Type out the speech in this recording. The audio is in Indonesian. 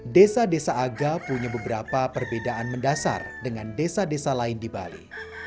desa desa aga punya beberapa perbedaan mendasar dengan desa desa lain di bali